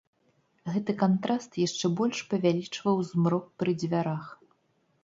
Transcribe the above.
Гэты кантраст яшчэ больш павялічваў змрок пры дзвярах.